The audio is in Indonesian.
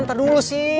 ntar dulu sih